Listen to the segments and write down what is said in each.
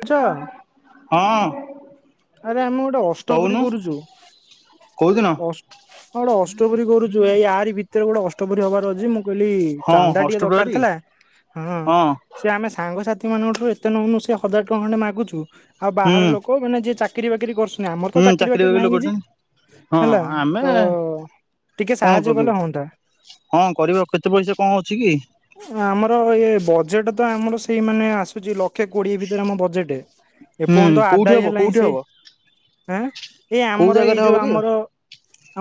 ଆଚ ହଁ। ଆରେ ଆମେ ଗୋଟେ ଅଷ୍ଟପ୍ରରି କହୁନୁ କରୁଚୁ କୋଉଦିନ ଅଶ୍ ହଁ ଗୋଟେ ଅଶ୍ ଅଷ୍ଟ ପରି କରୁଚୁ ଏଇ ଆରି ଭିତରେ ଗୋଟେ ଅଷ୍ଟ ପରି ହବାର ଅଛି ମୁଁ କହିଲି ହଁ ଚାନ୍ଦା ଟିକେ ଦରକାର ଅଷ୍ଟପ୍ରହରୀ ଥିଲା ହଁ ସେ ଆମେ ସାଙ୍ଗସା ସେମାନଙ୍କଠୁ ଏତେ ନୋଉନୁ ସେ ହଜାର ଟଙ୍କା ଖଣ୍ଡେ ମାଗୁଚୁ। ଆଉ ହୁଁ ବାହାର ଲୋକ ମାନେ ଯିଏ ଚା କିରି ବାକିରି କରୁଶୁ ହୁଁ ଚାକିରି ବାକିରି ଲୋକ କରୁଚନ୍ତି ହଁ ହେଲା ତ ଆମେ ଟିକେ କଣ ସାହାଯ୍ୟ କରିବୁ କଲେ ହୁଅନ୍ତା ହଁ କରିବ କେତେ ପଇସା କଣ ଅଛି କି? ଆମର ଏଇ ବଜେଟ୍ ତ ଆମର ସେଇ ମାନେ ଆସୁଚି ଲ କ୍ଷେ କୋଡିଏ ଭିତରେ ଆମ ବଜେଟ ହୁଁ ଏପର୍ଯ୍ୟନ୍ତ କୋଉଠି ଆଦାୟ ହବ ହେଲାଣିିଁ କୋଉଠି ହବ ସେଇଁ ଆଁ ଏଇ ଏଇ କୋଉ ଆମର ଜାଗାରେ ଏଇ ହବ ଯୋଉ କି ଆମର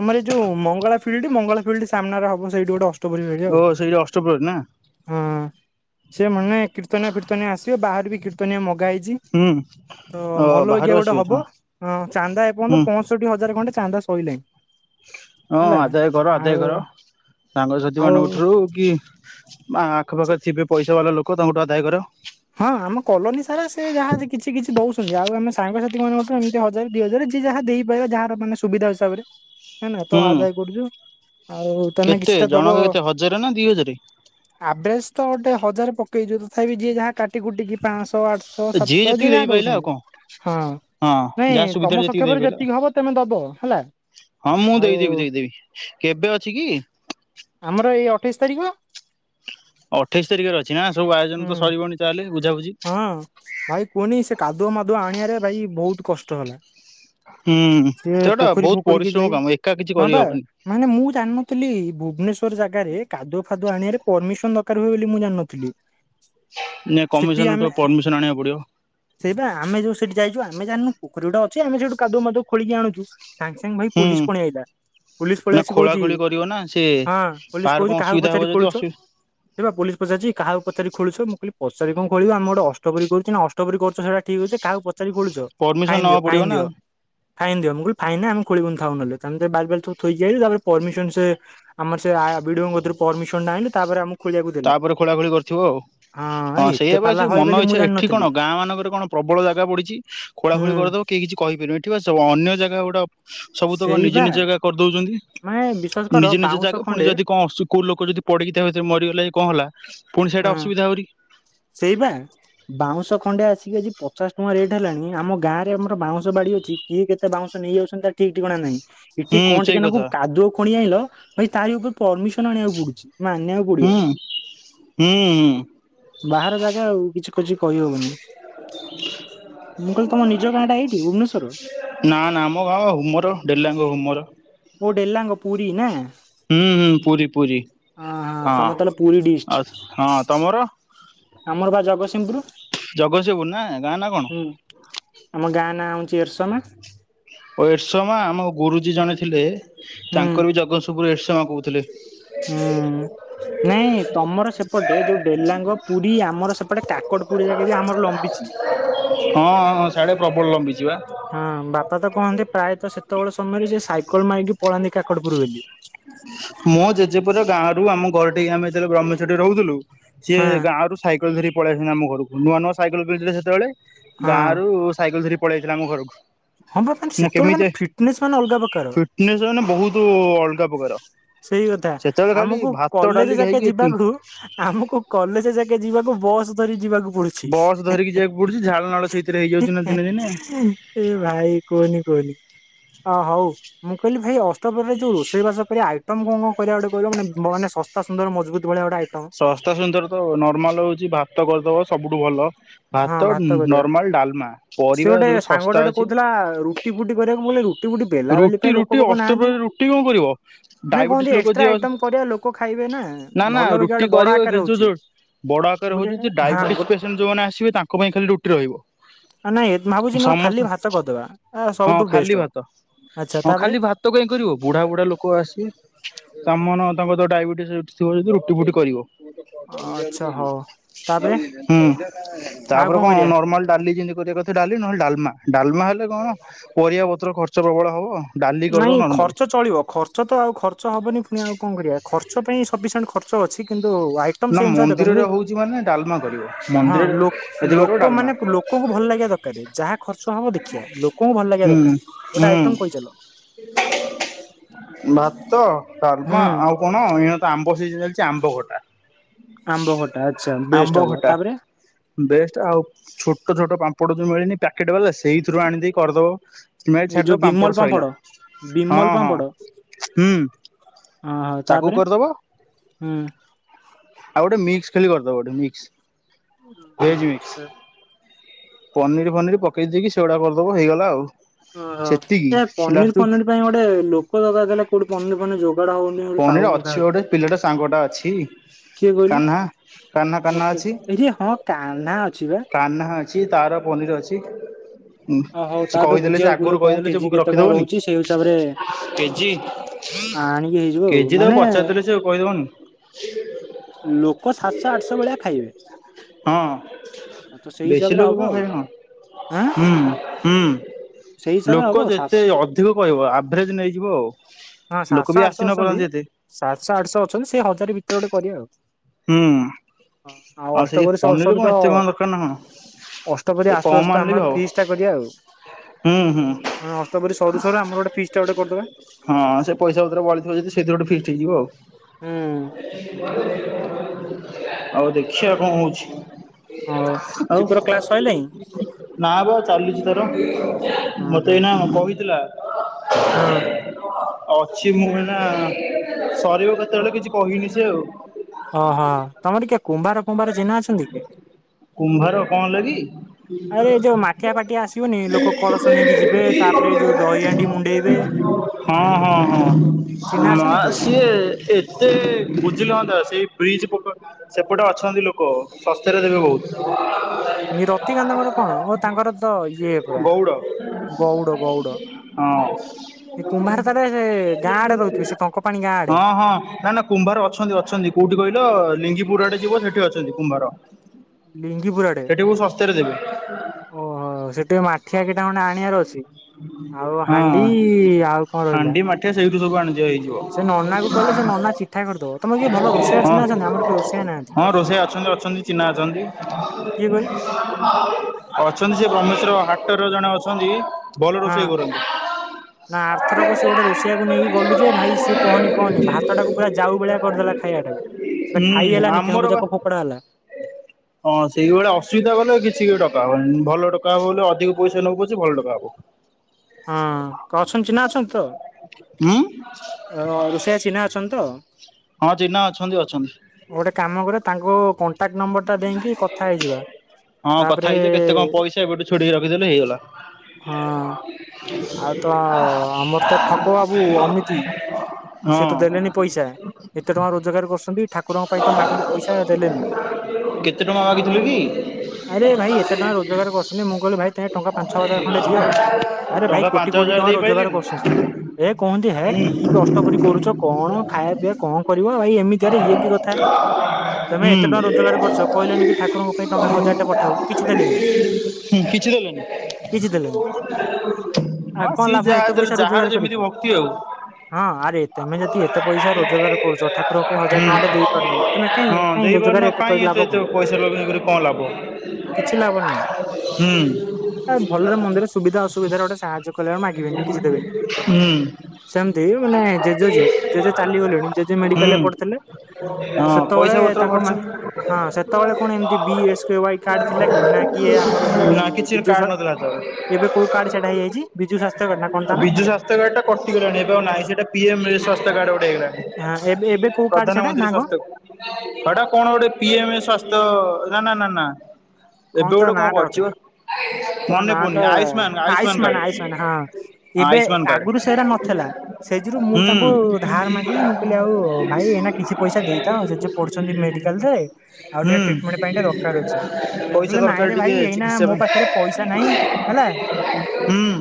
ଆମର ଏଇ ଯୋଉ ମଙ୍ଗଳା ଫିଲ୍ ମଙ୍ଗଳ ଫିଲ୍ଡ ସାମ୍ନାରେ ସେଠି ଗୋଟେ ଅସ୍ ଓ ସେଇଠି ଅଷ୍ଟପ୍ରହରୀ ନା? ହଁ ସେ ମାନେ କୀର୍ତ୍ତନ୍ୟା ଫୀର୍ତନ୍ୟା ଆସିବେ ବାହାରୁ ବି କିର୍ତନିଆ ମଗାହେଇ ଚି ହୁଁ ତ ଅ ଭଲ ବାହାରୁ ବାଗୀୟା ଗୋଟେ ଆସିବେ ହବ ହଁ ଅ ଚାନ୍ଦା ଏପର୍ଯ୍ୟନ୍ତ ହୁଁ ପଂଶୋଠି ହଜାର ଖଣ୍ଡେ ଚାନ୍ଦ ଶୋଇଲେଣି। ହଁ ଆଦାୟ କର ଆଦାୟ କର ସାଙ୍ଗସାଥି ଆଉ ମାନଙ୍କ ଠାରୁ କି ମା ଆଖପାଖ ଥିବେ ପ ପଇସା ବାଲା ଲୋକ ତାଙ୍କୁଠୁ ଆଦାୟ କର। ହଁ ଆମ କଲୋନୀ ସାରା ସେ ଯାହା କିଛି କିଛି ଦଉଛନ୍ତି ଆଉ ଆମେ ସାଙ୍ଗସାଥି ମାନଙ୍କ ଠୁ ମଧ୍ୟ ଏମିତି ହଜାର ଦି ହଜାର ଯିଏ ଯାହା ଦେଇପାରିବା ଯାହାର ମାନେ ସୁବିଧା ହିସାବରେ। ହେ ନା ତ ହୁଁ ଆଦାୟ କରୁଛୁ। ଆଉ ତମେ କେତେ କିଛିଟା ଦବ ଜଣକା କେତେ ହଜାରେ ନା ଦି ହଜାରେ ଆଭରେଜ ତ ଗୋଟେ ହଜାରେ ପକେଇଛୁ ତଥାପି ଯିଏ ଯାହା କାଟିକୁଟିକି ପାଞ୍ଚଶ ତ ଆଠାସ ସାତସ ଯିଏ ଯେତିକି ଯାହା ଦେଇପାରିଲା ଆଉ ଦଉଛନ୍ତି କଣ ହଁ ହଁ ନାଇଁ ଯାହା ତମ ସୁବିଧାରେ ସକ୍ଷେପରେ ଦେଇପାରିଲା ଯେତିକି ହବ ଆଉ ତମେ ଦବ ହେଲା ହଁ ମୁଁ ଆଉ ଦେଇଦେବି ଦେଇଦେବି କେବେ ଅଛି କି ଆମର ଏଇ ଅଠ ସତେଇଶି ତାରିଖ ଅଠେଇଶ ତାରିଖରେ ଅଛି ନା ସବୁ ଆୟୋଜନ ହୁଁ ତ ସରିବନି ହଁ ଭାଇ କଣ ସେ କାଦୁଅ ମାଦୁଆ ଆଣିବାରେ ଭାଇ ବହୁତ କଷ୍ଟ ହେଲା ହୁଁ ସିଏ ସେଟା ପୋଖରୀ ବହୁତ ପୋଖରୀ କି ପରିଶ୍ରମ ଯାଇ କାମ ଏକା କିଛି ହଁ ବା କରିହବନି ମାନେ ମୁଁ ଜାଣିନଥିଲି ଭୁବନେଶ୍ଵର ଜାଗାରେ କାଦୁଆ ଫାଦୁ ଆଣିବାରେ ପରମିସନ ଦରକାର ହୁଏ ବୋଲି ମୁଁ ଜାଣିନଥିଲି ସେଠି ଆମେ କମିଶନଠୁ ପରମିସନ ଆଣିବାକୁ ପଡିବ ସେଇ ବା ଆମେ ଯୋଉ ସେଠି ଯାଇଛୁ ଆମେ ଜାଣିନୁ ପୋଖୀଟା ଅଛି ଆମ ସେଇଠ କଦୁଦୁ ଖଳିକି ଆୁ ସାଙ୍ଗେ ସାଙ୍ଗେ ଭାଇ ହୁଁ ପୋଲିସ ପଣିଆଇଲା ପୋଲିସ ନା ପଳେଇଆସି ଖୋଳା କହୁଛି ଖୋଳି କରିବ ନା ସେ ହଁ ପୋଲିସ କାହାର କହୁଛି କଣ କାହାକୁ ଅସୁବିଧା ହବ ପଚାରି ଯଦି ଖୋଳୁଛ ଅସୁ ସେ ପୋଲିସ ପଚାରୁଛି କାହାକୁ ପଚ ତାର ଖୋଳଛୁ ମୁଁ କହି ପଚାରି କଣ ଖଳିବ ଆମେ ଗୋଟେ ଅଷ୍ଟପହରି କରୁଚୁ ନା ଅଷ୍ଟ ପରି କରିଛ ସେଟା ଠିକ ଅଛି କାହାକୁ ପ ଫ ଫ ଦି ପରମିସନ ନବାକୁ ପଡିବ ନା ଫ ମୁଁ କମ ଖୋଲୀନଥାଉ ନହଲେ ତାେ ବାର ବାର ଥାଇ ତା ପରମିସନ ସେ ଆମ ସେମିନ ଆ ତାପରେ ଆମ ତାପରେ ଖୋଳା ଖୋଳି କରିଥିବ ଆଉ ଏ ହଁ ଏତେ ସେଇଆାବ ପାଲା ଅଛି ହଏ ମନ ବୋଲି ମୁଁ ଇଚ୍ଛା ଏଠି ଜାଣିନଥିଲି କଣ ଗାଁ ମାନଙ୍କରେ କଣ ପ୍ରବଳ ଜାଗା ପଡିଛି ହୁଁ ଖୋଳାଖୋଳି କରିଦବ କିହି କିଛି କହିପାରିବେ ଏଠିକି ଅ ଅନ୍ୟ ଜାଗା ଗୋଟା ସବୁତ ସେଇ ବା ନିଜ ନିଜ ଜାଗା କରିଦଉଛନ୍ତି ମାନେ ବିଶ୍ଵାସ କର ନିଜ ନିଜ ବାଉଁଶ ଜାଗା ପୁଣି ଖଣ୍ଡେ ଯଦି କଣ ଆସୁଛି କୋଉ ଲୋକ ଯଦି ପଡିକି ତା ଭିତରେ ମରିଗଲା ହୁଁ ସେଇପା ବାଉଁଶ ଖଣ୍ଡେ ଆସିକି ଆଜି ପଚାଶ ଟଙ୍କା ରେଟ୍ ହେଲାଣି ଆମ ଗାଁରେ ଆମର ବାଉଁଶ ବାଡ଼ି ଅଛି କିଏ କେତେ ବାଉଁଶ ନେଇଯାଉଛନ୍ତି ତା ଠିକ୍ ଠିକଣା ନାହିଁ ଏଠି ହୁଁ କଣ ସେଇ ଟିକେ କଥା ନାଗୁରୁ ଖଣି ଆଇିଲ ଭାଇ ତାରି ଉପରେ ପରମିସନ ଆଣିବାକୁ ପଡୁଛି ମାନିବାକୁ ହୁଁ ପଡିବ ହୁଁ ହୁଁ ବାହାର ଜାଗା ଆଉ କିଛି କହିହବନି ମୁଁ କହିଲି ତମ ନିଜ ଗାଁ ଟା ଏଇଠି ଭୁବନେଶ୍ଵର ନା ନା ଆମ ଗାଁ ହୁମର ଡେଲାଙ୍ଗ ହୁମର ଓ ଡେଲାାଙ୍ଗ ପୁର ନା ହୁଁ ହୁଁ ପୁରୀ ପୁରୀ ତମର ହଁ ତାହେଲେ ପୁରୀ ଡିଷ୍ଟ ଆ ହଁ ତମର ଆମର ବା ଜଗତସିଂହପୁର ଜଗତସିଂପୁର ନା ଗାଁ ନା କଣ ହୁଁ ଆମ ଗାଁ ନାଁ ଆଉଛି ଏର୍ସନା ଓ ଏର୍ସୋମା ଆମ ଗୁରୁଜୀ ଜଣେ ଥିଲେ ହୁଁ ତାଙ୍କର ବି ଜଗତସପୁର ଏସ୍ରମା କହୁଥିଲେ ହୁଁ ନାଇଁ ତମର ସେପଟେ ଯୋଉ ଡେଲାଙ୍ଗ ପୁରୀ ଆମର ସେପଣେ କାକଟପୁରୁ ହଁ ଶାଢୀ ପ୍ରବଳ ଲମ୍ବି ଛି ବା ହଁ ବାପା ତ କହନ୍ତି ପ୍ରାୟତଃ ସେତେବେଳେ ସମୟରେ ସେ ସାଇକଲ ମାରିକି ପଳାନ୍ତି କାକଡପରୁ ବୁଲି ମୋ ଜେଜେପୁର ଗାଁ ରରୁ ଆମ ଘର ଟି ଆମେ ଯେତେବେ ବ୍ରହ୍ମଚୁରୀ ରହୁଥିଲୁ। ସିଏ ହଁ ଗାଁ ରୁ ସାଇକେଲ ଧରି ପଳେଇାଇଛନ୍ତି ଆମ ଘରକୁ ନୂଆ ନୂଆ ସାଇକଲ କିଣିଥିଲେ ସେତବେଳେ ହଁ ଗାଁ ର ସାଇକେଲ ଧରି ପଳେଇଆସି ଥିଲେ ଆମ ଘରକୁ। ହଁ ବା ମାନେ ନା ସେତେବେଳେ ମାନେ କେମିତିି ଫିଟନେସ୍ ମାନେ ଅଲଗା ପ୍ରକାର। ଫିଟ୍ନେସ ମାନେ ବହୁତ ଅଲଗା ପ୍ରକାର। ସେଇ କଥା ସେତେବେଳେ ଖାଲି ଆମକୁ ଭାତ ଡାଲି କଲେଜ ଯକେ ଖାଇକି ଏତିକି ଯିବାକୁ ଆମକୁ କଲେଜ ଯକେ ଯିବାକୁ ବସ୍ ଧରି ଯିବାକୁ ପଡୁଛି। ବସ ଧରିକି ଯିବାକୁ ପଡୁଛି ଝାଳନାଳ ସେଇଥିରେ ହେଇଯାଉଛି ନା ଦିନେ ଦିନେ ଏ ଭାଇ କୁହନି କୁହନି ଅ ହଉ ମୁଁ କହିଲି ଭାଇ ଅଷ୍ଟରେ ଯୋଉ ଅଷ୍ଟ ପ୍ରହରୀ ରୋଷେଇବାସ କରିବା ଆଇଟମ କଣ କଣ କରିବା ଗୋଟେ କହିବ ମାନେ ମାନେ ଶସ୍ତା ସୁନ୍ଦର ମଜବୁତ ଭଳିଆ ଗୋଟେ ଆଇଟମ। ଶସ୍ତା ସୁନ୍ଦର ତ ନର୍ମାଲ ହଉଛି ଭାତ କରିଦବ ସବୁଠୁ ଭଲ। ହଁ ଭାତ କରିବା ନର୍ମାଲ ଡାଲମା ସେ ପରିବା ଗୋଟେ ଯୋଉ ସାଙ୍ଗଟ ଶସ୍ତା ଗୋଟେ ଅଛି କହୁଥିଲା ରୁଟି ଫୁଟି କରିବାକୁ କିଲେ ରୁଟି ଫୁଟି ବେଲା ବେଲି ରୁଟି ପାଇଁ ଲୋକ ରୁଟି ପୋକ ନାହାନ୍ତି ଅଷ୍ଟପ୍ରହରୀ ରୁଟି କଣ କରିବ ନାଇଁ ଡାଇବେଟିସ କୁହନ୍ତି ଲୋକ ଏକ୍ସଟ୍ରା ଯିଏ ଆଇଟମ କରିବା ଲୋକ ଖାଇବେ ନା ନା ଭଲ ରୁଟି ପାଇକଡେ ବଡ ଆକାରରେ ହଉ ହଁ ଗୋ ଡାଇବେଟିଣ୍ଟ ଯୋଉମାନେ ପାଇଁ ଖାଲି ରୁଟି ରହିବ ନାଇଁ ଭାବୁଛି ନହେଲେ ସମସ୍ତ ଖାଲି ଭାତ କରିଦବା ଆ ହଁ ସବୁଠୁ ବେଷ୍ଟ ଖାଲି ହବ। ଭାତ ଆଚ୍ଛା ହଁ ତାପରେ ଖାଲି ଭାତ କଁ କରିବ ବୁଢା ବୁଢା ଲୋକ ଆସିବେ ତା ତାଙ୍କର ଡାଇବେଟିସ୍ ଥିବ ଯଦି ରୁଟି ଫୁଟି କରିବା। ଆଚ୍ଛା ହଉ ତାପରେ ହଁ ଆଉ ତାପରେ କଣ କରିବା? ନର୍ମାଲ ଡାଲି ଯେମିତି କରିବା କଥା ଡାଲି ନହେଲେ ଡାମା ଡାଲମା। ହେଲେ କଣ ପରିବା ପତ୍ର ଖର୍ଚ୍ଚ ପ୍ରବଳ ହବ। ଡାଲି କରିଦବ ନାଇଁ ନର୍ମାଲି। ଖର୍ଚ୍ଚ ଚଳିବ ଖର୍ଚ୍ଚ ତ ଆଉ ଖର୍ଚ୍ଚ ହବନି ପୁଣି ଆଉ କଣ କରିବା। ଖର୍ଚ୍ଚ ପାଇଁ ସଫିସିଣ୍ଟ ଖର୍ଚ୍ଚ ଅଛି କିନ୍ତୁ ଆଇଟ ନା ସେଇ ଅନୁସରେ ଦେଖ ମନ୍ଦିରରେ ହଉଛି ମାନେ ଡାଲମା କରିବ ମନ୍ଦିରରେ ଯଦି କରିବ ଲୋକ ଡାଲମା ମାନେ ଲୋକଙ୍କୁ ଭଲ ଲାଗିବା ଦରକାର ଯାହା ଖର୍ଚ୍ଚ ହବ ଦେଖିବା ଲୋକଙ୍କୁ ଭଲ ଲାଗିବା ହୁଁ ଦରକାର ଗୋଟେ ହୁଁ। ଆଇଟମ କହିଚଲ। ଭାତ ହଁ। ହୁଁ ଡାଲମା ଆଉ କଣ ଏ ଆମ୍ବ ସି ଚାଲିଛି ଆମ୍ବ ଖଟା ଆମ୍ବ ଖଟା ଆଚ୍ଛା ବେଷ୍ଟ ଆମ୍ବ ହବ ଖଟା ତାପରେ ବେଷ୍ଟ ଆଉ ଛୋଟ ଛୋଟ ପାମ୍ପ ସେପଟୁ ଯୋଉ ମିଳିନି ପକେଟ୍ ବାଲା ସେଇଥିରୁ ଆଣିଦେଇ କରିଦବ ନାଇ ଏଇ ଛାଡିଦବ ଯୋଉ ବିମଲ ପାମ୍ପଡ଼ ସୋଇଲା ପାମ୍ପଡ। ହଁ ବିମଲ ହଁ ପାମ୍ପଡ ହୁଁ ଓହୋ ତକୁ ତାପରେ କରିଦବ ହୁଁ। ଆଉ ଗୋଟେ ମିକ୍ସ ଖାଲି କରିଦବ ଗୋଟେ ମିକ୍ସ ଭେଜ ମିକ୍ସ ଆଚ୍ଛା। ପନିର ଫନିର ପକେଇ ଦେଇକି ସେଗୁଡା କରିଦବ ହେଇଗଲା ଆଉ ଓହୋ ସେତିକି ଏ ପନିର ଲାଷ୍ଟକୁ ଫନିର ପାଇଁ ଗୋଟେ ଲୋକ ଦରକାର ଥିଲା କୋଉଠି ପନିର ଫନିର ଯ ପନିର ଅଛି ଗୋଟେ ପିଲାଟା ସାଙ୍ଗ ଟା ଅଛି କିଏ କହିଲୁ କାହ୍ନା କାହ୍ନା କାହ୍ନା ଓକେ ଅଛି ଏଠି ହଁ କାହ୍ନା ଅଛି ବା। କାହ୍ନା ଅଛି ତାର ପନିର ଅଛି ହ୍ନୁ ଓ ହଉ ସେ ତାଠୁ କହିଦେଲେ ସେ ବୁଝିବାକୁ ପଡିବ ଗୁରୁ କଣ କହିଦେଲେ ଯେ କେଜି ବୁକ କେତେ କଣ ରଖିଦବନି ରହୁଛି ସେଇ ହିସାବରେ କେଜି ଆଣିକି ହେଇଯିବ କେଜି ତାକୁ ମାନେ ପଚାରିଦେଲେ ସେ କହିଦବନି ଲୋକ ସାତଶହ ଆଠଶହ ଭେଳିଆ ଖାଇବେ। ହଁ ଆଉ ତ ସେଇ ବେଶ ହିସାବରେ ଲୋକ ହବ କଣ ଆଉ। ଖାଇ ହ ହୁଁ ହୁଁ। ସେଇ ହିସାବରେ ଲୋକ ହବ ଆ ସାତ ଯେତେ ଅଧିକ କହିବ ଆଭରେଜ ନେଇଯିବ ଆଉ। ହ ଲୋକ ସାତଶହ ବି ଆସି ଆଠଶହ ନ ଅଛନ୍ତି ପାରନ୍ତି ଏତେ ସାତଶହ ଆଠଶହ ଅଛନ୍ତି ସେଇ ହଜାର ଭିତରେ ଗୋଟେ କରିବା ଆଉ। ହୁଁ। ଆଉ ସେଇ ଅଷ୍ଟପ୍ରହରୀ ସରୁ ପନିର ସରୁ କଣ ତ ଏତେ କଣ ଦରକାର ନା କଣ ସେ ଅଷ୍ଟପ୍ରହରୀ ଆସୁ କମ ଆସୁ ଆଣିଲେ ବି ଆମର ହବ ଫିସ୍ ଟା କରିବା ଆଉ। ହୁଁ ହୁଁ ମାନେ ଅଷ୍ଟପରି ସରୁ ସରୁ ଆମର ଗୋଟେ ଫିସ୍ ଟା ଗୋଟେ କରିଦବା। ହଁ ସେ ପଇସା ପତ୍ର ବଳିଥିବ ଯଦି ସେଥିରେ ଗୋଟେ ଫିଷ୍ଟି ହେଇଯିବ ଆଉ। ହ [unintelligible] ଆଉ ଦେଖିବା କଣ ହଉଛି। ହଉ ଆଉ ଚିକୁର କ୍ଲାସ ସଇଲାଇଁ? ନା ବା ଚାଲିଛି ତାର ମତେ ଏଇନା କହିଥିଲା। ହ [unintelligible] ହଁ। ଅଛି ମୁଁ ବି ନା ସରିବ କେତେବେଳେ କିଛି କହିନି ସେ ଆଉ। ଓହୋ ତମର କିଏ କୁମ୍ଭାର ଫୁମ୍ଭାର ଚିହ୍ନା ଅଛନ୍ତି କି? କୁମ୍ଭାର କଣ ହେଲା କିି ଆରେ ଏ ଯୋଉ ମାଠିଆ ଫାଟିଆ ଆସିବନି ଲୋକ କଳସ ନେଇକି ଯିବେ ତାପରେ ଯୋଉ ଦହି ହାଣ୍ଡି [unintelligible] ମୁଣ୍ଡେଇବେ। ହଁ ହଁ ହଁ ଚିହ୍ନା ମା ଅଛନ୍ତି କିଏ? ସିଏ ଏତେ ବୁଝିଲେ ହଁ ତା। ସେଇ ବ୍ରିଜ ପୋ ସେପଟେ ଅଛନ୍ତି। ଅଛନ୍ତି ଲୋକ। ଶସ୍ତା ରେ ଦେବେ ହୁଁ। ବହୁତ ରତିକାନ୍ତଙ୍କର କଣ ଓ ତାଙ୍କର [unintelligible] ତ ଇଏ ପୁରା ଗଉଡ ଗଉଡ ଗଉଡ। ହଁ ହଁ ଏ କୁମ୍ଭାର ତାହେଲେ ସେ ଗାଁ ଆଡେ ରହୁଥିବେ ସେ ଟଙ୍କପାଣି ଗାଁ ଆଡେ ହଁ ନା ନା କୁମ୍ଭାର ଅଛନ୍ତି ଅଛନ୍ତି କୋଉଠି କହିଲ ଲିଙ୍ଗି ପୁର ଆଡ଼େ ଯିବ ସେ ଠି ଅଛନ୍ତି କୁମ୍ଭାର। ଲିଙ୍ଗିପୁରା ଆଡ଼େ ସେଠି ବହୁତ ଶସ୍ତାରେ ଦେବେ ଓହୋ ସେଠି ମାଠିଆ କିଟା ଖଣ୍ଡେ ଆଣିବାର ଅଛି ଆଉ ହଁ। ହାଣ୍ଡି ଆଉ କଣ ରହିଲା। ଆଣୁ। [unintelligible] ସେ ନନା କହିଲେ ସେ ନନା ଚିଠା କରିଦବ ତମେ କିଏ ଭଲ ରୋଷେଇଆ ହଁ ଚିହ୍ନା ଅଛନ୍ତି ଆମର କିଏ ରୋଷେଇଆ ନାହାନ୍ତି। ହଁ ରୋଷେଇଆ ଅଛନ୍ତି ଅଛନ୍ତି ଚିହ୍ନା ଅଛନ୍ତି କିଏ କହିଲେ ଅଛନ୍ତି ସେ ବ୍ରହ୍ମେଶ୍ୱର ହାଟ ଟର ଜଣେ ଅଛନ୍ତି। ଭଲ ହଁ ରୋଷେଇ କରନ୍ତି। ନା ଆରଥରକ ସେ ଗୋଟେ ରୋଷେଇଆକୁ ନେଇକି ଗଲୁ ଯେ ଭାଇ ସିଏ କହନି କହନି ଭାତ ଟାକୁ ପୁରା ଯାଉ ଭଳିଆ କରିଦେଲା ଖାଇବା ଟାକୁ ସେଟା ହୁଁ ଖାଇ ହେଲାନି। କେଉଁ ଆମର ବା ଯାକ ଫୋପଡା ହେଲା ହଁ ସେଇଭଳିଆ ଅସୁବିଧା କଲେ ଆଉକିଛି ବି ଡକା। ଭଲ ଡକା ହବ ବୋଲେ ଅଧିକ ପଇସା ନବ ପଛେ ଭଲ ଡକା ହବ। ହଁ କ ଅଛନ୍ତି ଚିହ୍ନା ଅଛନ୍ତି ତ ହୁଁ ଅ ରୋଷେଇଆ ଚିହ୍ନା ଅଛନ୍ତି ତ। ହଁ ଚିହ୍ନା ଅଛନ୍ତି ଅଛନ୍ତି ଗୋଟେ କାମ କରେ ତାଙ୍କୁ କ କଣ୍ଟାକ୍ଟ ନମ୍ବର ଟା ଦେଇକି କଥା ହେଇଯିବା ହଁ କଥା ତାପରେ ହେଇଯା କେତେ କଣ ପଇସା ଏବେଠୁ ଛଡେଇ ରଖିଦେଲେ ହେଇଗଲା। ହଁ। ଆଉ ତ ଆମର ତ ଠକ ବାବୁ ଅମିତି [inaudible] ସିଏ ତ ଦେଲେନି ପଇସା ଏତେ ଟଙ୍କା ରୋଜଗାର କରୁଛନ୍ତି। ଠାକୁରଙ୍କ ପାଇଁ ତ ମାଗିଲୁ ପଇସା ଦେଲେନି କେତେ ଟଙ୍କା ମାଗିଥିଲୁ କି ଆରେ ଭାଇ ଏତେ ଟଙ୍କା ରୋଜଗାର କରୁଛନ୍ତି ମୁଁ କହିଲି ଭାଇ ତ ଟଙ୍କା ପାଞ୍ଚ ଛ ହଜାର ଖଣ୍ଡେ ଦିଅ ଆରେ ଭାଇ ଟଙ୍କା କୋଟି ପାଞ୍ଚ କୋଟି ହଜାର ଟଙ୍କା ରୋଜଗାର ଦେଇପାଇଲିନି। କରୁଛନ୍ତି ଏ କହନ୍ତି ହେ କି କରି କରୁଛ କଣ ଖାଇବା ପିଇବା କଣ କରିବ ଭାଇ ଏମିତିଆରେ ଇଏ କି କ କରୁଛ କହିଲେନି କି ଠାକୁରଙ୍କ ପାଇଁ ଟଙ୍କା ହଜାରଟେ ପଠାଉ କିଛି ଦେଲେନି ହୁଁ କିଛି ଦେଲେନି କିଛି ଦେଲେନି। ଆଉ ହଁ କଣ ସିଏ ଲାଭ ଏତେ ଯାହା ପଇସା ରୋଜଗାର ଯାହାର ଯେମିତି କରିକି? ଭକ୍ତି ଆଉ। ହଁ ଆରେ ତମେ ଯଦି ଏତେ ପଇସା ରୋଗାର କରୁଛ ଠାକୁରଙ୍କ ହଜାର ଟଙ୍କା ଟା ହୁଁ ଦେଇ ତମେ କାହିଁ ହଁ କାହିଁ ଦେଇପାରୁନ ରୋଜଗାର ଏତେ କାଇଁ କରି ଲାଭ ଏତେ କଣ ପଇସା ଲଗେଇକରି କଣ ଲାଭ କିଛି ଲାଭ ନାହିଁ ହୁଁ ଭଲରେ ମନ୍ଦିରେ ସୁବିଧା ଅସୁବିଧାରେ ଗୋଟେ ସାହାଯ୍ୟ କଲେ ମାଗିବେନି କିଛି ଦେବେନି ହୁଁ। ସେମ ମାନେ ଜେଜେ ଅ ଜେଜେ ଚାଲିଗଲେଣି ଜେଜେ ହୁଁ ମେଡିକାଲ ରେ ପଡଥିଲେ। ହଁ ପଇସା ସେତେବେଳେ ପତ୍ର ତାଙ୍କୁ ଖର୍ଚ୍ଚ ନା ହଁ ସେତେବେଳେ କଣ ଏମତି B S K Y card ଥିଲା କି ନା କି ଆମର ନା ଯୋଉ କିଛି ବିଜୁ କାର୍ଡ ନଥିଲା ସେତେବେଳେ ଏବେ କୋଉ କାର୍ଡ ସେଟା ହେଇଯାଇଛି ବିଜୁ ସ୍ୱାସ୍ଥ୍ୟ କାର୍ଡ ନା କଣ ତା ନା। ସେଟା ପି ଏମ୍ ସାସ୍ଥ୍ୟ କାର୍ଡ ଗୋ ହଁ ଏବେ ହେଇଗଲାଣି ଏବେ କୋଉ କାର୍ଡ ସେଟା ପ୍ରଧାନମନ୍ତ୍ରୀ। ନା କଣ ଟା କଣ ଗୋଟେ ସସ୍ଥ ନା। କଣ ଏବେ ତ ଗୋଟେ ନାଟା କରିଛି ଅଟେ ବା ତା ମନେ ପଡୁନି ନାଟା ଆୟୁଷ୍ମାନ ଆୟୁଷ୍ମାନ କାର୍ଡ ଆୟୁଷ୍ମାନ ହଁ ଏବେ ଆୟୁଷ୍ମାନ କାର୍ଡ ଆଗରୁ ସେଟା ନଥିଲା ସେଥିରୁ ମୁଁ ହୁଁ ତାଙ୍କୁ ଧାର ମାଗିଲି ମୁଁ କହିଲି ଆଉ ଭାଇ ଏଇନା କିଛି ପଇସା ଦେଇଥା ସେ ଯଉ ପଢୁଛନ୍ତି ମେଡିକାଲରେ ଆଉ ହୁଁ ଟିକେ ଟ୍ରିଟମେଣ୍ଟ ପାଇଁ ଟିକେ ଦରକାର ଅଛି। ପଇସା ଦରକାର ନାଇଁରେ ଟିକେ ଭାଇ ଏଇନା ଚିକିତ୍ସା ମୋ ପାଇଁ ପାଖରେ ପଇସା ନାହିଁ ହେଲା ହୁଁ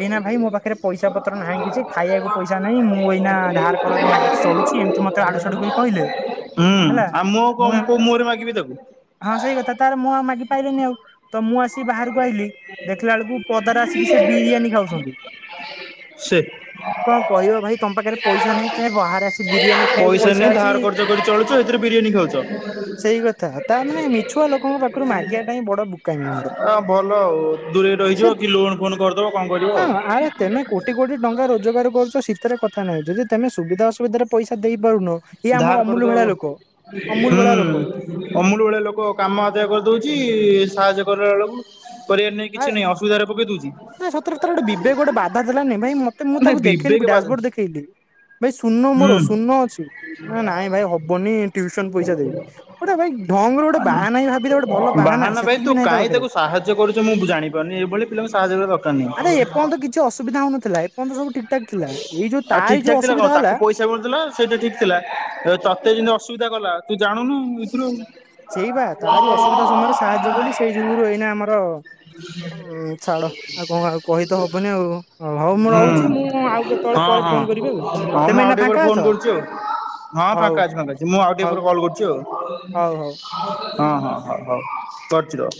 ଏଇନା ଭାଇ ମୋ ପାଖରେ ପଇସା ପତ୍ର ନାହିଁ କିଛି ଖାଇବାକୁ ପଇସା ନାହିଁ ମୁଁ ଏଇନା ଧାର କରଜ ମାଗିଛି ଚଳୁଛି ଏମିତି ମତେ ଆଡୁଡୁ କରି କହିଲେ ହୁଁ ହେଲା ଆଉ ମୁଁ ଆଉ କ କୋଉ ମୁହଁରେ ମାଗିବି ତାକୁ ପାଇନି ଆଉ ତମ ମୁଁ। ବାହାରକୁ ଆଇିଲି ଦେଖିଲା ବେଳକୁ ପଦାରେ ଆସିକି ସେ ବିରିୟାନୀ ଖାଉଛନ୍ତି ସେ କଣ କହିବ ଭାଇ ତମ ପାଖରେ ପଇସା ନାହିଁ ଚା ବାହାରେ ଆସି ବିରିୟାନୀ ଖାଇବାକୁ ପଇସା ନେଇ ଅଛି ଧାର କର୍ଜ କରି ଚଳୁଛ ଏଥିରେ ବିରିୟାନୀ ଖାଉଛ ସେଇ କଥା ତା ମାନେ ମିଛୁଆ ଲୋକଙ୍କ ଆ ମାଗିବା ଟାଇ ବୁକାମି ଆମର ହ ଭଲ ଆଉ ଦୂରେଇ ସେ ରହିଯିବ କି ଲୋନ୍ ଫୋନ୍ କରିଦବ କଣ କରିବ ହଁ ଆଉ ଆରେ ତେମେ କୋଟି କୋଟି ଟଙ୍କା ରୋଜଗାର କରୁଛ ଶୀତରେ କଥା ନାହିଁ ଯଦି ତମେ ସୁବିଧା ଅସୁବିଧାରେ ପଇସ ଦେଇ ପାରୁନ। ଧହାର କରୁଛ ଆଉ ଅମୁଲ ଭଳିଆ ଲୋକ। ହୁଁ ଅମୁଳ ଭଳିଆ ଲୋକ କାମ ଆଦାୟ କରୁ ଦଉଛି। କ କର ବଳକୁ ଆ ସତରେଥର ଗୋଟେ ବିବେକ ଗୋଟେ ବାଧା ଦେଲାନି ଭାଇ ମତେ। ମୁଁ ନାଇଁ ତାକୁ ଦେଖେଇଲି ବିବେକ ବାଧ ଡାସବୋର୍ଡ ଦେଖେଇଲି। ଭାଇ ଶୂନ ମୋର ହୁଁ। ଶୂନ ଅଛି ନାଇଁ ଭାଇ ହବନି ଟୁସନ ପଇସା ଦେବି ଗୋଟେ ଭାଇ ଢଙ୍ଗରେ ଗୋଟେ ବାହାନା ଭାବି ଗୋଟେ ଭଲ ବାହାନା ସେତିକି ବି ନାହିଁ ତା ପାଖରେ ି ଏଇଭଳି ପିଲାଙ୍କୁ ସାହାଯ୍ୟ ଦରକାର ନାହିଁ। କ ସବୁ ଠିକ ଠାକ ଥିଲା ଏଇ ଯୋଉ ଆଉ ତାରି ଠିକ ଯୋଉ ଠକ ଥିଲା କଣ ଅସୁବିଧା ହେଲା ତାକୁ ପଇସା ମିଳୁଥିଲା ସେଇଟା ଠିକ ଥିଲା ତତେ ଯେମିତି? ଅସୁବିଧା କଲା ତୁ ଜାଣୁନୁ ଏଥିରୁ ସେଇ ବା ତାରି ଅସୁବିଧା ସମୟରେ ସାହାଯ୍ୟ କଲି ସେଇ ଯୁଗରୁ ଏଇନା ଆମର ଛାଡ ଆଉ କଣ ଆଉ କହି ତ ହବନି ଆଉ ହଉ ମୁଁ ହୁଁ ରହୁଛି ମୁଁ ଆଉ କେତେବେଳେ ହଁ ପରେ ହଁ ଫୋନ କରିବି ଆଉ। ହଁ ମୁଁ ତମେ ଏଇନା ଆଉଟେ ଉପରେ ଫାଙ୍କା ଅଛ ଫୋନ କରୁଛି ଆଉ ହଁ ଫାଙ୍କା ହଉ ଅଛି ଫାଙ୍କା ଅଛି ମୁଁ ଆଉ ଟେ ଉପ ହଉ କଲ୍ କରୁଛି ଆଉ। ହଉ ହଉ। ହଁ ହଁ ହଁ ହଉ ଟର୍ଚ୍ଚର